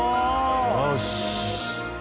よし。